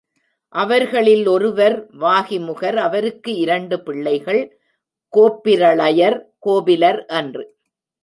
அவர்களில் ஒருவர் வாஹிமுகர் அவருக்கு இரண்டு பிள்ளைகள் கோப்பிரளயர், கோபிலர் என்று.